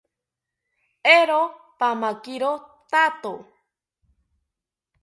Eero, pamakiro thato